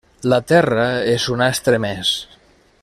La Terra és un astre més.